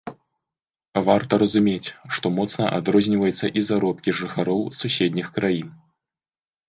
Варта разумець, што моцна адрозніваюцца і заробкі жыхароў суседніх краін.